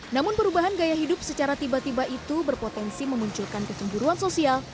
namun perubahan gaya hidup secara tiba tiba itu berpotensi memunculkan kecemburuan sosial